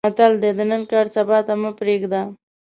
متل دی: د نن کار سبا ته مه پرېږده.